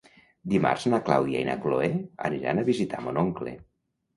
Dimarts na Clàudia i na Cloè aniran a visitar mon oncle.